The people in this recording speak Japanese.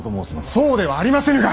そうではありませぬが！